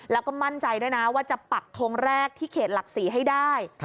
แล้วก็มั่นใจด้วยนะว่าจะปักทงแรกที่เขตหลักศรีให้ได้